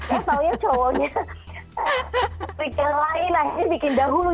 ya soalnya cowoknya pikir lain akhirnya bikin dahulu